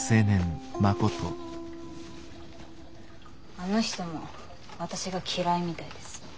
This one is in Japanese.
あの人も私が嫌いみたいです。